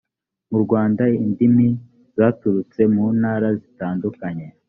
mu rwanda indimi zaturutse mu ntara zitandukanye.